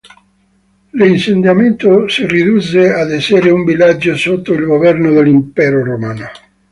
L'insediamento si ridusse ad essere un villaggio sotto il governo dell'impero romano.